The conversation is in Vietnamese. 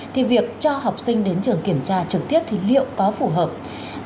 thì việc cho học sinh đến trường kiểm tra trực tiếp thì liệu có phụ huynh không